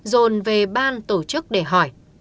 rồn về ban tổ chức để hỏi